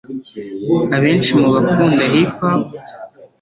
Abenshi mu bakunda hip hop